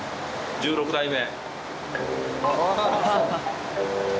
１６代目。